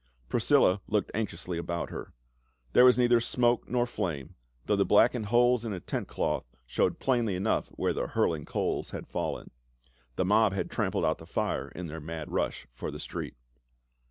Priscilla looked anxiously about her. There was neither smoke nor flame, though the blackened holes in the tent cloth showed plainly enough where the burning coals had fallen. The mob had trampled out the fire in their mad rush for the street.